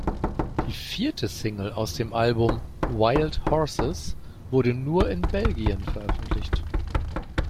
Die vierte Single aus dem Album, "Wild Horses" wurde nur in Belgien veröffentlicht.